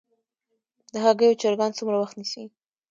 د هګیو چرګان څومره وخت نیسي؟